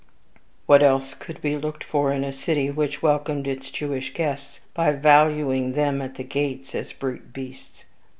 What else could be looked for in a city which welcomed its Jewish guests by valuing them at its gates as brute beasts?